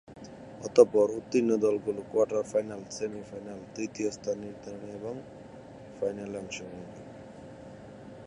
অতঃপর উত্তীর্ণ দলগুলো কোয়ার্টার-ফাইনাল, সেমি-ফাইনাল, তৃতীয় স্থান নির্ধারণী এবং ফাইনালে অংশগ্রহণ করবে।